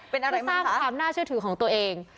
เป็นอะไรสร้างความน่าเชื่อถือของตัวเอง